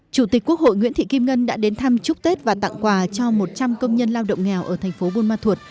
chủ tịch quốc hội nguyễn thị kim ngân đã đến thăm chúc tết và tặng quà cho một trăm linh công nhân lao động nghèo ở thành phố buôn ma thuột